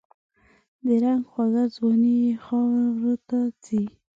د رنګ خوږه ځواني یې خاوروته ځي